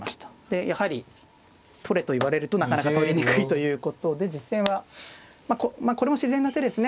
でやはり取れと言われるとなかなか取りにくいということで実戦はこれも自然な手ですね。